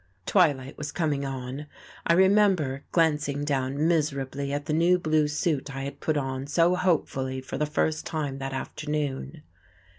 Twilight was coming on. I remember glancing down miserably at the new blue suit I had put on so hopefully for the first time that afternoon.